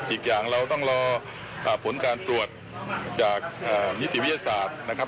อีกอย่างเราต้องรอผลการตรวจจากนิติวิทยาศาสตร์นะครับ